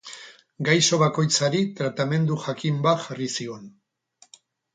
Gaixo bakoitzari tratamendu jakin bat jarri zion.